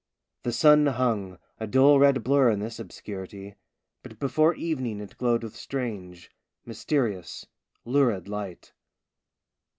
The sun hung, a dull red blur in this obscurity ; but before evening it glowed with strange, mysterious, lurid light.